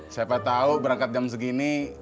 siapa tahu berangkat jam segini